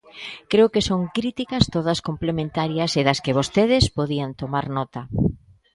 Creo que son críticas todas complementarias e das que vostedes podían tomar nota.